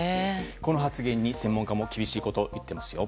この発言に専門家も厳しいことを言っています。